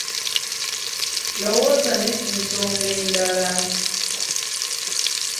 Lowooza ne ku nsonga endala.